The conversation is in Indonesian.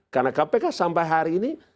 karena kpk sampai hari ini